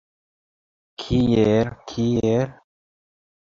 Kiel, kiel?